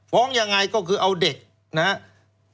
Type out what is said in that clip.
ยังไงก็คือเอาเด็กนะครับ